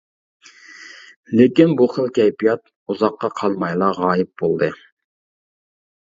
لېكىن بۇ خىل كەيپىيات ئۇزاققا قالمايلا غايىب بولدى.